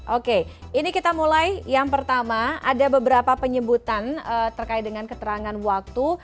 oke ini kita mulai yang pertama ada beberapa penyebutan terkait dengan keterangan waktu